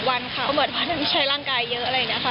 วันค่ะก็เหมือนวันนั้นใช้ร่างกายเยอะอะไรอย่างนี้ค่ะ